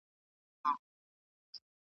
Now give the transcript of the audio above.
خلکو وخت پۀ وخت لکه پېزار بدله کړېده